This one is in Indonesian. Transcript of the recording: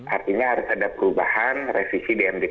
artinya harus ada perubahan revisi di md tiga